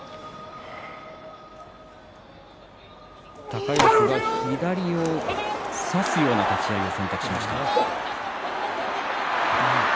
高安は左を差すような立ち合いを選択しました。